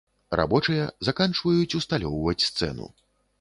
Рабочыя заканчваюць ўсталёўваць сцэну.